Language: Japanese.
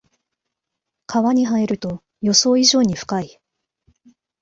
川に入ると予想以上に深い